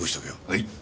はい。